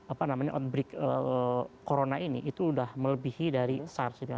apa namanya outbreak corona ini itu sudah melebihi dari sars